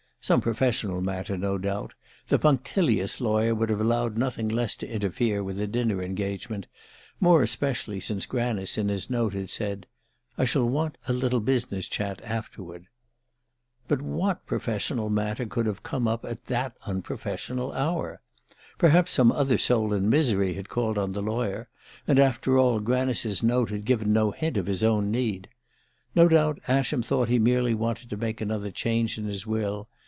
Some professional matter, no doubt the punctilious lawyer would have allowed nothing less to interfere with a dinner engagement, more especially since Granice, in his note, had said: "I shall want a little business chat afterward." But what professional matter could have come up at that unprofessional hour? Perhaps some other soul in misery had called on the lawyer; and, after all, Granice's note had given no hint of his own need! No doubt Ascham thought he merely wanted to make another change in his will.